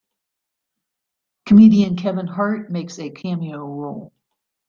Comedian Kevin Hart makes a cameo role.